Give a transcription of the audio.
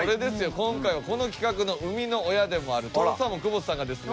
今回はこの企画の生みの親でもあるとろサーモン久保田さんがですね